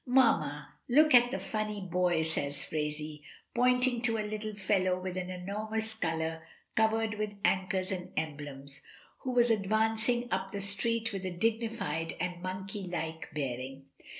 "Mamma, look at the funny boy," says Phraisie, pointing to a little fellow with an enormous collar covered with anchors and emblems, who was advancing up the street with a dignified and monkey like bearing.